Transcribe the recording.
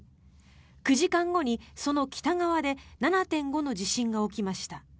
９時間後に、その北側で７．５の地震が起きました。